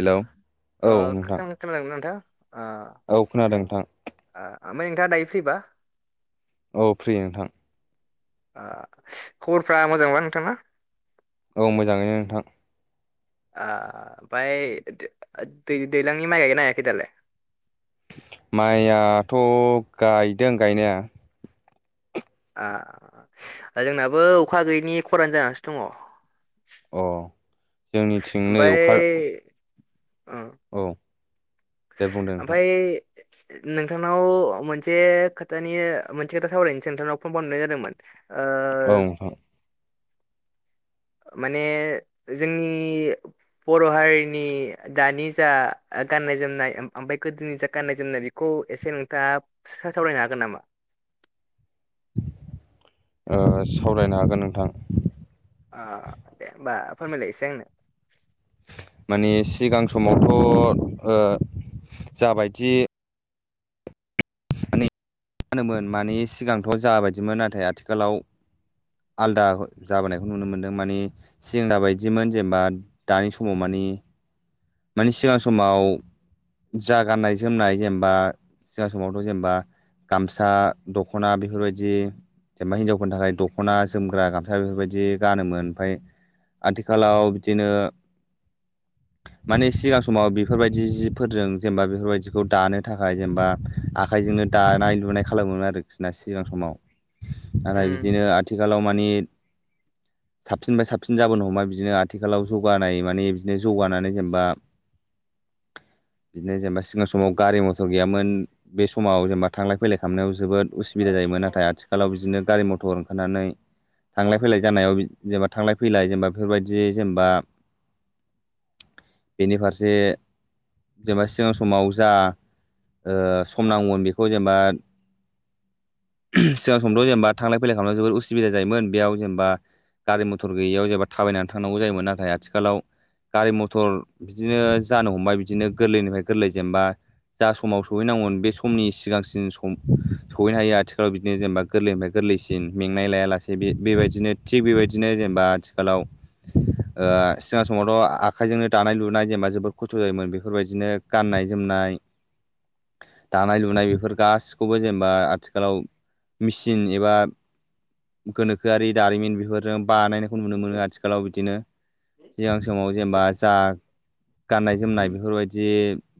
Hello औ नोंथां [unintelligible] औ खोनादों नोंथां। ओ ओमफ्राय नोंथाङा दायो फ्रि बा औ फ्रि नोंथां। आ खबरफ्रा मोजांबा नोंथां ना? औ मोजाङैनो नोंथां। आ ओमफाय दै-दै-दैलांनि माइ गायगो ना गायाखै दालाय माइयाथ' गायदों गायनाया। आ जोंनाबो अखा गैयिनि खरान जानासो दङ'। अ जोंनिथिं नै ओमफ्राय अखा औ। दे बुंदों नोंथां ओमफाय नोंथांनाव मोनसे खोथानि मोनसे खोथा सावरायनोसो नोंथांनाव फन खामनाय जादोंमोन। औ ओ नोथां। माने जोंनि बर' हारिनि दानि जा ओ गाननाय जोम नाय ओमफाय गोदोनि जा गाननाय जोमनाय बेखौ एसे नोंथाङा सावरायनो हागोन नामा? ओ सावरायनो हागोन नोंथां। आ दे होमबा फोरमायलाय इसे आंनो। माने सिगां समावथ' ओ जाबायदि माने होनोमोन मानि सिगांथ' जा बायदिमोन नाथाय आथिखालाव आलदा जाबोनायखौ नुनो मोनदों मानि [unintelligible] बायदिमोन जेनेबा दानि समाव मानि [unintelligible] मानि सिगां समाव जा गाननाय जोमनाय जेनेबा सिगां समावथ' जेनेबा गामसा दख'ना बेफोरबायदि जेनेबा हिनजावफोरनि थाखाय दख'ना जोमग्रा गामसा बेफोरबायदि गानोमोन ओमफाय आथिखालाव बिदिनो मानि सिगां समाव बेफोरबायदि जिफोरजों जेनेबा बेफोरबायदिखौ दानो थाखाय जेनेबा आखाय जोंनो दानाय लुनाय खालामोमोन आरोखिना सिगां समाव। दाना उम बिदिनो आथिखालाव मानि साबसिन फाय साबसिन जाबोनो हमबाय बिदिनो आथिखालाव जौगानाय माने बिदिनो जौगानानै जेनेबा बिदिनो जेनेबा सिगां समाव गारि मथर गैयामोन। बे समाव जेनेबा थांलाय फैलाय खामनायाव जोबोद उसुबिदा जायोमोन नाथाय आथिखालाव बिदिनो गारि मथर थानानै थांलाय फैलाय जानायाव जेनेबा थांलाय फैलाय जेनेबा बेफोरबायदि जेनेबा [inaudible] बेनि फारसे जेनेबा सिगां समाव जा ओ सम नांगौमोन बेखौ जेनेबा सिगां समफ्र' जेनेबा थांलाय फैलाय खालामनायाव जोबोद उसुबिदा जायोमोन बेयाव जेनेबा गारि मथर गैयियाव जेबब्ला थाबायनानै थांनांगौ जायोमोन नाथाय आथिखालाव गारि मथर बिदिनो जानो हमबाय बिदिनो गोरलैनिफ्राय गोरलै जेनेबा जा समाव सहैनांगौमोन बे समनि सिगांसिन सम सहैनो हायो आथिखालाव बिदिनो जेनेबा गोरलैनिफ्राय गोरलै गोरलैसिन मेंनाय लायालासे बेबायदिनो थिग बेबायदिनो जेनेबा आथिखालाव आं सिगां समावथ आखाइजोंनो दानाय लुनाय जेनेबा जोबोद खस्थ' जायोमोन बेफोरबायदिनो गाननाय जोमनाय दानाय लुनाय बेफोर गासिखौबो जेनेबा आथिखालाव मिसिन एबा गोनोखोआरि दारिमिन बेफोरजों बानायनायखौ नुनो मोनो आथिखालाव बिदिनो सिगां समाव जेनेबा जा गाननाय जोमनाय बेफोरबायदि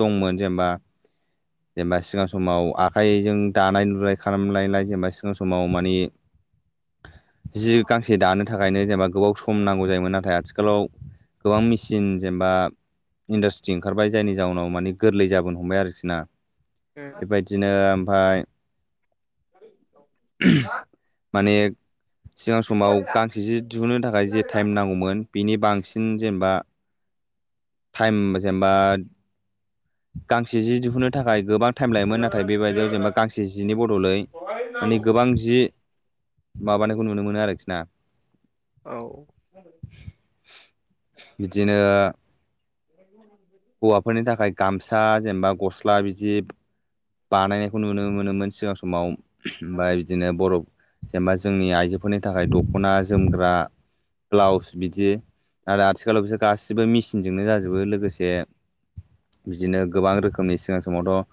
दंमोन जेनेबा जेनेबा सिगां समाव आखाइजों दानाय लुनाय खालामलायलाय जेनेबा सिगां समाव मानि [inaudible] जि गांसे दानो थाखायनो जेनेबा गोबाव सम नांगौ जायोमोन नाथाय आथिखालाव गोबां मेसिन जेनेबा इन्डासट्रि ओंखारबाय जायनि जाउनाव माने गोरलै जाबोनो हमबाय आरोखि ना बेबायदिनो ओमफाय माने सिगां समाव गांसे जि दिहुननो थाखाय जे टाइम नांगौमोन बिनि बांसिन जेनेबा टाइम जेनेबा गांसे जि दिहुननो थाखाय गोबां टाइम लायोमोन नाथाय बेबायदियाव जेनेबा गांसे जिनि बदलै माने गोबां जि माबानायखौ नुनो मोनो आरोखि ना औ बिदिनो [inaudible] हौवाफोरनि थाखाय गामसा जेनेबा गस्ला बिदि बानायनायखौ नुनो मोनोमोन सिगां समाव ओमफ्राय बिदिनो बरफ जेनेबा जोंनि आइजोफोरनि थाखाय दख'ना जोमग्रा ब्लाउस बिदि आरो आथिखालाव बिसोर गासिबो मेचिनजोंनो जाजोबो लोगोसे [inaudible] बिदिनो गोबां रोखोमनि सिगां समावथ'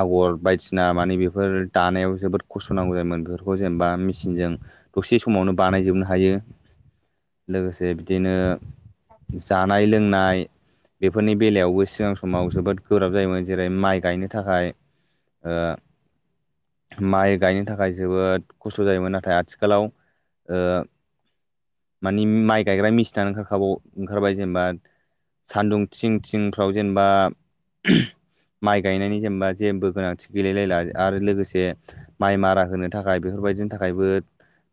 आगर बायदिसिना मानि बेफोर दानायाव जोबोद खस्थ' नांगौ जायोमोन बेफोरखौ जेनेबा मेचिनजों दसे समावनो बानायजोबनो हायो लोगोसे बिदिनो जानाय लोंनाय बेफोरनि बेलायावबो सिगां समाव जोबोद गोब्राब जायोमोन जेरै माइ गायनो थाखाय ओ माइ गायनो थाखाय जोबोद खस्थ' जायोमोन नाथाय आथिखालाव ओ मानि माइ गायग्रा मेसिनानो ओंखारखाव ओंखारबाय जेनेबा सान्दुं थि थिंफ्राव जेनेबा माइ गायनायनि जेनेबा जेबो गोनांथि गैेललायला आरो लोगोसे माइ मारा होनो थाखाय बेफोर बेफोरबायदिनि थाखायबो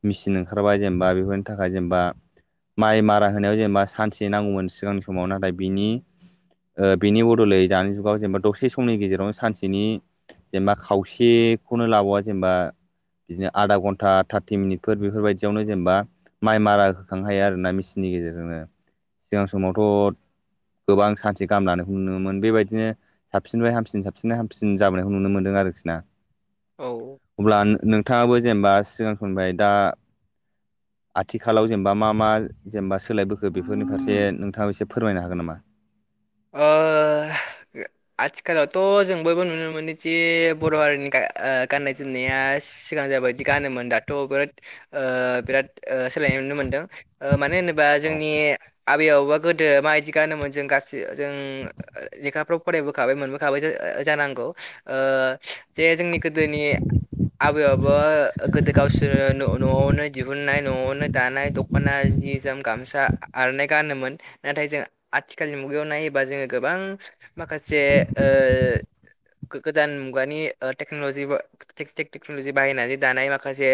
मिचिन ओंखारबाय जेनेबा बेफोरनि थाखाय जेनेबा माइ मारा होनायाव जेनेबा सानसे नांगौमोन सिगांनि समाव नाथाय बिनि ओ बेनि बदलै दानि जुगाव जेनेबा दसे समनि गेजेरावनो सानसेनि जेनेबा खावसेखौनो लाबावा जेनेबा [unintelligible] आधा घन्टा थार्टि मिनिटफोर बेफोरबायदियावनो जेनेबा माइ मारा होखांनो हायो आरोना मेचिननि गेजेरजोंनो सिगां समावथ' गोबां [unintelligible] [unintelligible] गाहाम लानायखौ नुनो मोनोमोन बेबायदिनो साबसिननिफ्राय हामसिन साबसिन हामसिन जाबोनायखौ नुनो मोन्दों आरोखि ना औ अब्ला नोंथाङाबो जेनेबा सिगां फोरनिफ्राय दा [inaudible] आथिखालाव जेनेबा मा मा जेनेबा सोलायबोखो बेफोरनि फारसे नोंथाङा एसे फोरमायनो हागोन नामा? ओ आथिखालावथ' जों बयबो नुनो मोनो जे बर' हारिनि गा ओ गाननाय जोमनाया सिगां जायाबायदि गानोमोन दाथ' बिराद उह बिराद सोलायनाय नुनो मोनदों मानो होनोबा औ जोंनि आबै आबौआ गोदो माबायदि गानोमोन जों गासैबो जों लेखाफ्राव फरायबोखाबाय मोनबोखाबाय जानांगौ उह जे जोंनि गोदोनि आबै आबौआ गोदो गावसोर न'आवनो दिहुननाय न'आवनो दानाय दख'ना जि जोम गामसा आर'नाय गानोमोन नाथाय जों आथिखालनि मु मुगायाव नायोबा जोङो गोबां माखासे ओ गोदान मुगानि टेक्न'लजि टेक्न'लजि बाहायनानै दानाय माखासे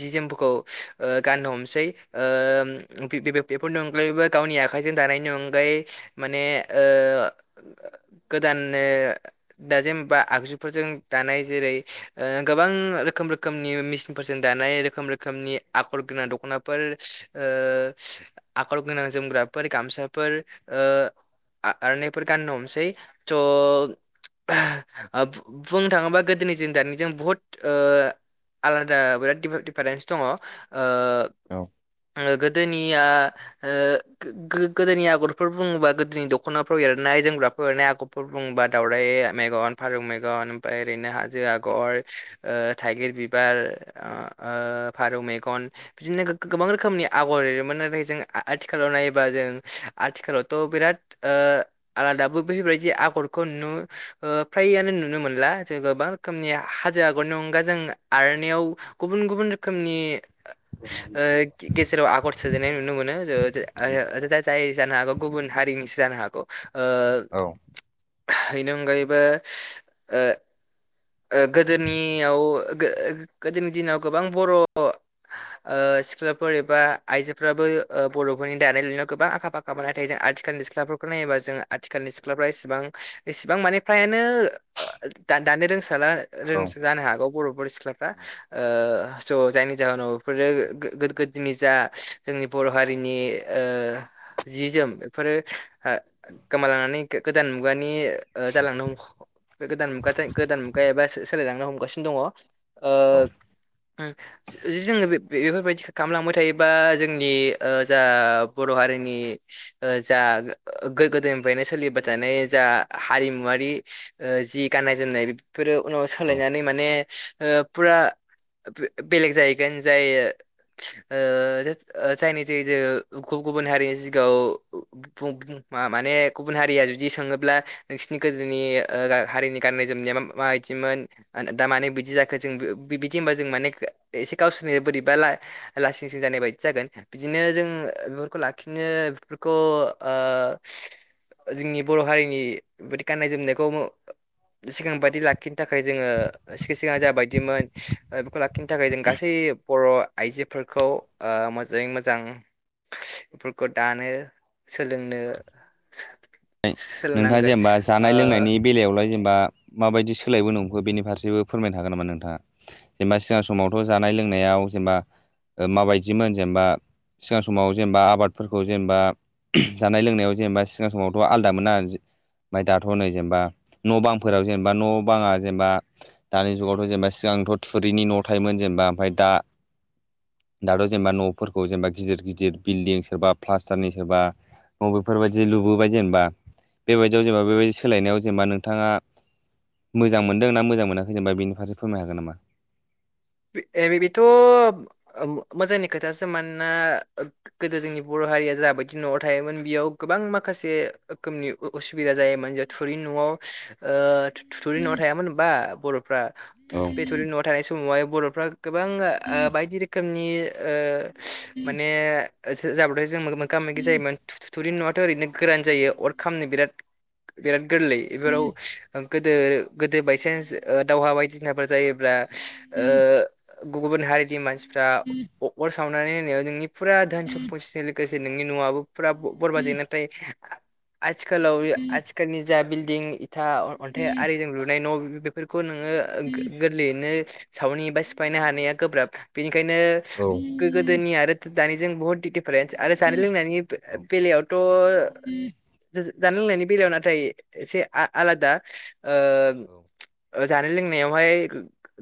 जि जोमफोरखौ उह गाननो हमसोय उह बे बेफोरनि अनगायैबो गावनि आखायजों दानायनि अनगायै माने ओ गोदान ओ दाजेम बा आगजुफोरजों दानाय जेरै गोबां रोखोमनि रोखोम रोखोमनि मेसिनफोरजों दानाय रोखोम रोखोमनि आखर गोनां दखनाफोर आगर गोनां जोमग्राफोर गामसाफोर ओ आर'नायफोर गाननो हमसै स' बुंनो थाङोबा गोदोनि जों दानिजों बुहुत ओ आलादा बिराद दिफा दिफारेन्स दङ उह औ गोदोनिया उह गो गोदोनि आगरफोर बुङोबा ज्रिं दख'नाफ्राव एरनाय जोंग्राफोर आगरफोर बुंबा दावरराय मेगन फारौ मेगन ओमफ्राय ओरैनो हाजो आगर ओ थायगिर बिबार ओ फारौ बिदि बिदिनो गो गोबां रोखोमनि आगर एरोमोन नाथाय जों आ आथिखालाव नायोबा जों आथिखालावथ' बिराद ओ आलादाबो बैबायदि आगरखौ नु ओ फ्रायानो नुनो मोनला जों गोबा [unintelligible] रोखोमनिनि हाजो आगरनि अनगा जों आर'नायाव गुबुन गुबुन रोखोमनि ओ गेजेराव आगर सोदेरनाय नुनो मोनोओ जो आइया जाय जानो हागौ गुबुन हारिनिस जानो हागौ। औ बेनि अनगायैबो ओ ओ गोदोनियाव गो गोदोनि दिनाव गोबां बर' ओ सिख्लाफोर एबा आइजोफोराबो बर'फोरनि दानाय लुनायाव गोबां आखा फाखा [unintelligible] आथिखालनि सिख्लाफोरखौ नायोबा जोङो आथिखालनि सिख्लाफ्रा एसेबां एसेबां माने फ्रायानो दा दानो रोंसोला आरो औ रोंस जानो हागौ बर'फोर सिख्लाफ्रा ओ स' जायनि जाहोनाव बेफोरो गोद गोदोनि जा जोंनि बर' हारिनि ओ जि जोम बेफोरो ओ गोमालांनानै गो गोदान मुगानि ओ [unintelligible] गोदान मुगाजों गोदान मुगायाव एबा सो सोलायलांनो हमगासिनो दङ ओ जदि जोङो बे बेफोरबायदि खालामलांबाय थायोबा जोंनि जा बर' हारि नि जा गो गोदोनिफ्रायनो सोलिबाय थानाय जा हारिमुवारि जि गाननाय जोमनाय बेफोरो उनाव औ सोलायनानै माने ओ फुरा ओ फे बेलग जाहोयगोन [unintelligible] ओ जेद ओ जायनि जायै जोङो गुबु गुबुन हारिनि सिगाङाव [unintelligible] म माने गुबुन हारिया जुदि सोङोब्ला नोंसिनि गोदोनि हारिनि गाननाय जोमनाया माबायदिमोन दा माने बिदि जाखो जों बि बिदि होनबा जों माने एसे गावसोरनो बोरैबा ला लांसिं सिं जानाय बायदि जागोन बिदिनो जों बेफोरखौ लाखिनो बेफोरखौ ओ ओ जोंनि बर' हारिनि बे गाननाय जोमनायखौ सिगां बाद दि लाखिनो थाखाय जोङो सि-सिगां जा बायदिमोन बेखौ लाखिनो थाखाय जों गासै बर' आइजोफोरखौ अ मोजाङै मोजां। बेफोरखौ दानो सोलोंनो नोंथाङा सोलोंनांगोन जेनेबा जानाय ओ लोंनायनि बेलायावलाय जेनेबा माबायदि सोलायबो नंखो बेनि फारसेबो फोरमायनो हागोन नामा नोंथाङा जेनेबा सिगां समावथ' जानाय लोंनायाव जेनेबा माबायदिमोन जेनेबा सिगां समाव जेनेबा आबादफोरखौ जेनेबा जानाय लोंनायाव जेनेबा सिगां समावथ' आलदामोन ना फ्राय दाथ' नै जेमबा न' बांफोराव जेनेबा न' बाङा जेमबा दानि जुगावथ' जेमबा सिगां आंथ' थुरिनि न' थायोमोन जेमबा ओमफ्राय दा दाथ' जेमबा न'फोरखौ जेमबा गिदिर गिदिर बिल्डिं सोरबा प्लास्टारनि सोरबा मबेफोरबायदि लुबोबाय जेमबा बेबायदियाव जेबा बेबायदि सोलायनायाव जेमबा नोंथाङा मोजां मोनदों ना मोजां मोनाखै जेनबा बेनि फारसे फोरमनो हागोन नामा? बे एबे बेथ' मो-मोजांनि खोथासो मोनना गोदो जोंनि बर' हारिया जाबायदि न'आव थायोमोन बेयाव गोबां माखासे रोखोमनि अ-असुबिदा जायोमोन जे थुरि न'आव ओ थु-थुरि न'आव थायामोनबा बर'फ्रा औ थु-थु बेथुरि न'आव थानाय समावहाय बर'फ्रा गोबां ओ बायदि रोखोमनि अ माने ज-जा- ओमफ्राय जों मोगा मोगि जायोमोन थु-थु-थुरि न'आथ' ओरैनो गोरान जायो अर खामनो बिराद बिराद गोरलै एबाराव गोदो गोदो बायसेन्स ओ दावहा बायदिसिनाफोर जायोब्ला दा गुबुन हा मानसिफ्रा अ-अर सावनानै होन नोंनि फुरा धोन सम्तजों लोगोसे नोंनि न'आबो फुरा बरबाद जायो नाथाय आ-आथिखालाव आथिखालनि जा बिल दिं इथा अ-अन्थाइ आरिजों लुनाय न' बे-बेफोरखौ नोङो गो-गोरलैयैनो सावनि बा सिफायनो हानाया गोब्राब बेनिखायनो औ गो-गोदोनि आरो दा-दानि जों बुहुत दि-दिफारेन्स आरो जानाय लोंनायनि औ बे-बेलायावथ' जा-जानाय लोंनायनि बेलायाव नाथाय ए-एसे आ-आलादा ओ ओ जानाय लोंनायावहाय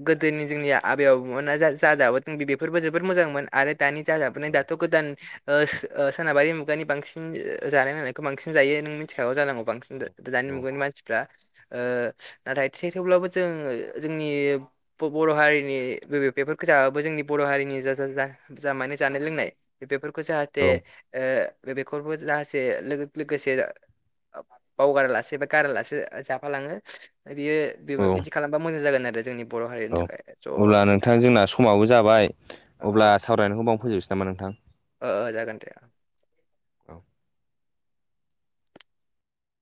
गो-गो दोनि जोंनिया आबै आबौमोना जा-जादाबो बेफोरबो जोबोद मोजांमोन आरो दानि जादाबाय दाथ' गोदान ओ ओ सो-सोनाबारि मुगानि बांसिन ज-जानाय लोंनायखौ बांसिन जायो नों मिथिखागौ जानांगौ बांसिन दानि औ मुगानि मानसिफ्रा ओ नाथाय थे-थेवब्लाबो जों-जोंनि ब-बर' हारिनि बे-बेफोरखौ जाबो जोंनि बर' हारिनि जा जा-जा-जा माने जानाय लोंनाय बेफोर खौ जाहाथे ओ बेफोरबो जाहासे लो-लोगोसे बावगारा लासे बा गारा लासे जाफालाङो। बियो औ बिबो बिदि खालामबा मोजां जागोन आरो जोंनि बर' हारिनि औ थाखाय। अब्ला नोंथां जोंना समाबो जाबाय अब्ला अ सावरायनायखौ बावनो फोजोबनोसै नामा नोंथां? ओ ओ जागोन दे।